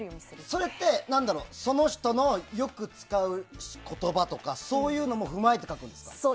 それってその人のよく使う言葉とかそういうのも踏まえて書くんですか？